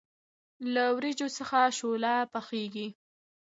له وریجو څخه شوله پخیږي.